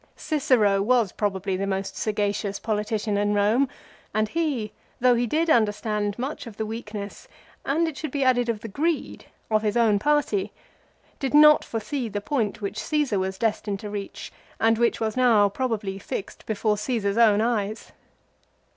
Cicero was probably the most sagacious politician in Eome, and he, though he did understand much of the weakness, and it should be added of the greed, of his own party, did not foresee the point which Caesar was destined to reach, and which was now probably fixed before Caesar's own eyes.